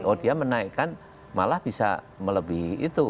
oh dia menaikkan malah bisa melebihi itu